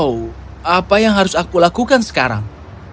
oh apa yang harus aku lakukan sekarang